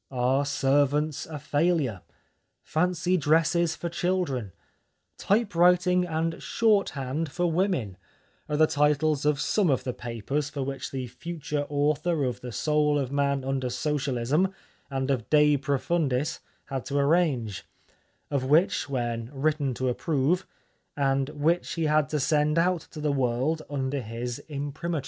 " Are Servants a Failure ?"'* Fancy Dresses for Children," " Typewriting and Shorthand for Women," are the titles of some of the papers for which the future author of " The Soul of Man 267 The Life of Oscar Wilde Under Socialism " and of " De Profundis " had to arrange, of which when written to approve, and which he had to send out to the world under his imprimatur.